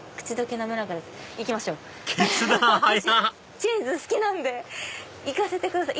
チーズ好きなんで行かせてください！